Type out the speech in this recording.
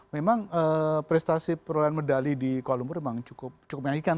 memang prestasi perolehan medali di kuala lumpur memang cukup menaikkan